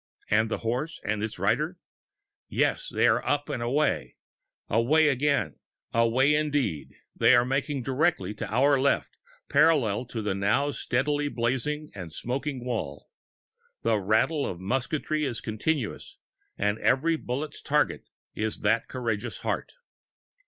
And the horse and its rider? Yes, they are up and away. Away, indeed they are making directly to our left, parallel to the now steadily blazing and smoking wall. The rattle of the musketry is continuous, and every bullet's target is that courageous heart.